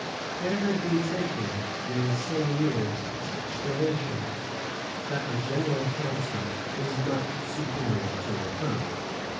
Care had been taken, during some years, to teach the nation that a general council was much superior to a pope.